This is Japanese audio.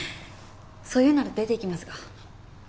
そう言うなら出て行きますが。